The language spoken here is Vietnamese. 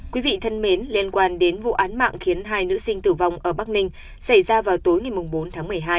quý vị thân mến liên quan đến vụ án mạng khiến hai nữ sinh tử vong ở bắc ninh xảy ra vào tối ngày bốn tháng một mươi hai